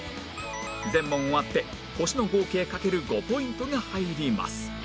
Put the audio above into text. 全問終わって星の合計かける５ポイントが入ります